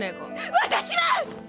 私は！